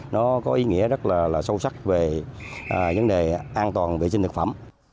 nó có ý nghĩa rất là sâu sắc về vấn đề an toàn vệ sinh thực phẩm